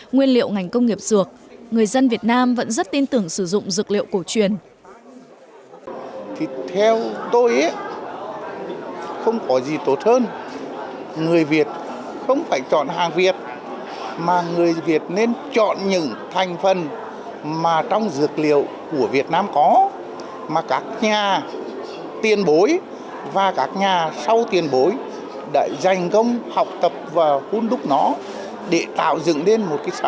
nguyên liệu ngành công nghiệp dược người dân việt nam vẫn rất tin tưởng sử dụng dược liệu cổ truyền